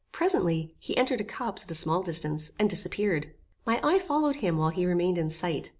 Presently, he entered a copse at a small distance, and disappeared. My eye followed him while he remained in sight.